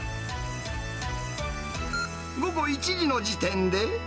午後１時の時点で。